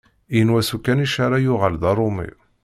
Yenwa s ukanic ara yuɣal d aṛumi.